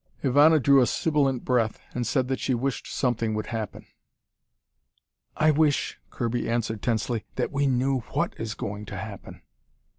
Ivana drew a sibilant breath and said that she wished something would happen. "I wish," Kirby answered tensely, "that we knew what is going to happen."